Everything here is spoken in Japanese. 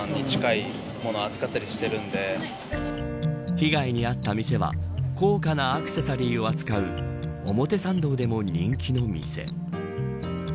被害に遭った店は高価なアクセサリーを扱う表参道でも人気の店。